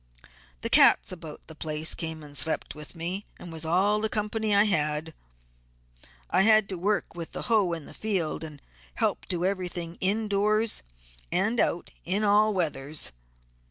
The cats about the place came and slept with me, and was all the company I had. I had to work with the hoe in the field and help do everything in doors and out in all weathers.